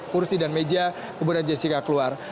kursi dan meja kemudian jessica keluar